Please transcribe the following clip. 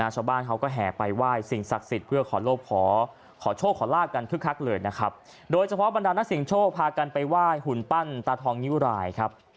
ชาวบ้านเขาก็แห่ไปไหว้สิ่งศักดิ์สิทธิ์เพื่อขอโลภขอโชคขอลาดกันคึกคลักเลยนะครับ